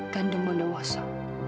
gandum bunuh waso